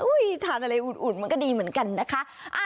ทานอะไรอุ่นมันก็ดีเหมือนกันนะคะ